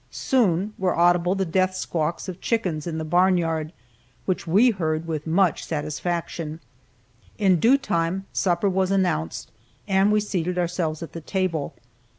Soon were audible the death squawks of chickens in the barn yard, which we heard with much satisfaction. In due time supper was announced, and we seated ourselves at the table.